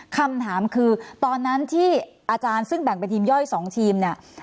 คำถามคือตอนนั้นที่อาจารย์ซึ่งแบ่งเป็นทีมย่อย๒ทีมเนี่ย